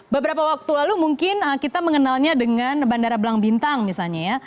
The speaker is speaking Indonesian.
beberapa waktu lalu mungkin kita mengenalnya dengan bandara belang bintang misalnya ya